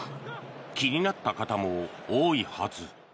気になった方も多いはず。